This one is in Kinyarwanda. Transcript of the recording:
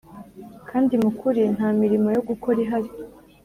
kandi mukuri nta mirimo yo gukora ihari.